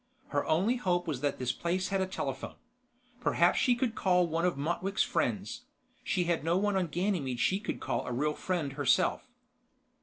Her only hope was that this place had a telephone. Perhaps she could call one of Motwick's friends; she had no one on Ganymede she could call a real friend herself.